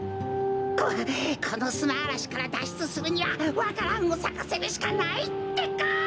ここのすなあらしからだっしゅつするにはわか蘭をさかせるしかないってか。